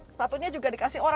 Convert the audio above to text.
sepatunya juga dikasih orang